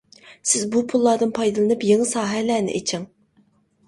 سىز بۇ پۇللاردىن پايدىلىنىپ يېڭى ساھەلەرنى ئېچىڭ.